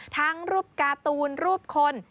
ทั้งรูปการ์ตูนรูปคน